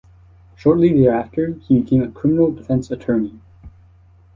Shortly thereafter he became a criminal defense attorney.